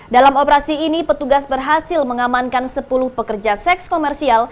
dalam operasi ini petugas berhasil mengamankan sepuluh pekerja seks komersial